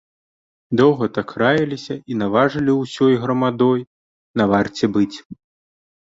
Доўга так раіліся і наважылі ўсёй грамадой на варце быць.